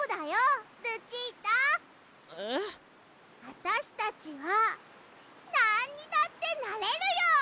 あたしたちはなんにだってなれるよ！